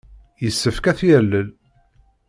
Yessefk ad t-yalel.